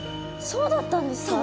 そうだったんですか？